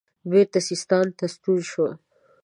بیرته سیستان ته ستون شو.